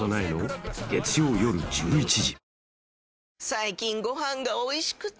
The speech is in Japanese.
最近ご飯がおいしくて！